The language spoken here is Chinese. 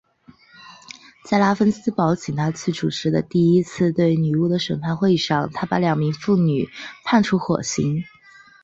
在拉芬斯堡请他去主持的第一次对女巫的审判会上他把两名妇女判处火刑。